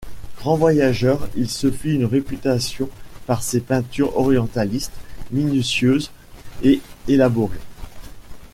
Grand voyageur, il se fit une réputation par ses peintures orientalistes minutieuses et élaborées.